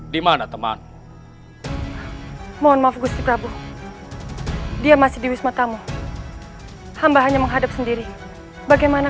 dimana teman mohon maaf gusti prabu dia masih di wisma tamu hamba hanya menghadap sendiri bagaimana